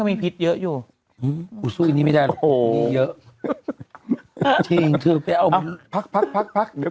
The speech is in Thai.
มีผิดเยอะอยู่สู้อันนี้ไม่ได้โอ้โอ้เยอะพักพักพักพักเดี๋ยว